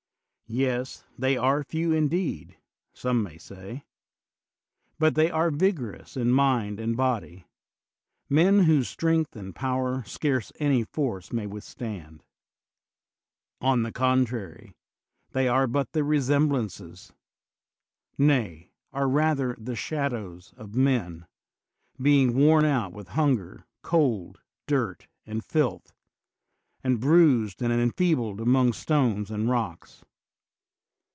Yes, they are few indeed (some may say), but they are vig orous in mind and body, men whose strengfii and power scarce any force may withstand. On the contrary, they are but the resemblances — ^nay, are rather the shadows — of men, being worn out with hunger, cold, dirt, and filth, and bruised and enfeebled among stones and rocks.